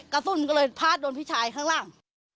กระสุนก็เลยพาดโดนพี่ชายข้างล่าง